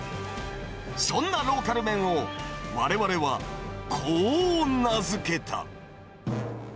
そんなローカル麺を、われわれはこう名付けた。